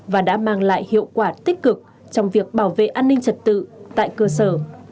và đã mang lại hiệu quả tích cực trong việc bảo vệ an ninh trật tự tại cơ sở